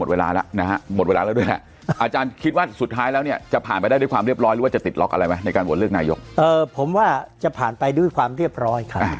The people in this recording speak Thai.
บอกอะไรไหมในการวนเลือกนายกผมว่าจะผ่านไปด้วยความเรียบร้อยค่ะ